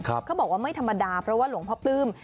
เขาบอกว่าไม่ธรรมดาเพราะว่าหลวงพ่อปลื้ม